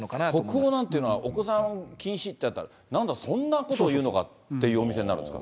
北欧なんていうのは、お子さん禁止ってやったら、なんだ、そんなことを言うのかっていうお店になるんですか。